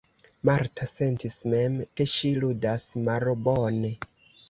Marta sentis mem, ke ŝi ludas malbone.